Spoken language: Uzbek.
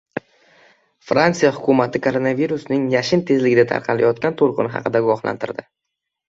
Fransiya hukumati koronavirusning «yashin tezligida» tarqalayotgan to‘lqini haqida ogohlantirdi